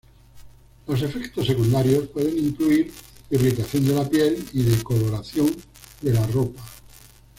Los efectos secundarios pueden incluir irritación de la piel y decoloración de la ropa.